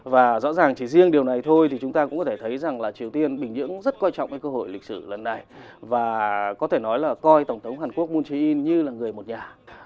và rõ ràng chỉ riêng điều này thôi thì chúng ta cũng có thể thấy rằng là triều tiên bình nhưỡng rất quan trọng với cơ hội lịch sử lần này và có thể nói là coi tổng thống hàn quốc moon jae in như là người một nhà